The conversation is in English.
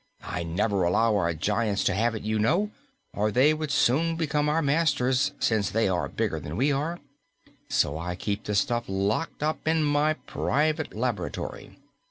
I never allow our giants to have it, you know, or they would soon become our masters, since they are bigger that we; so I keep all the stuff locked up in my private laboratory.